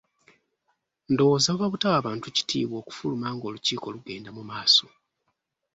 Ndowooza buba butawa bantu kitiibwa okufuluma ng'olukiiko lugenda mu maaso.